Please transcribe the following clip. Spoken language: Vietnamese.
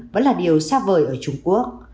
vẫn là điều xa vời ở trung quốc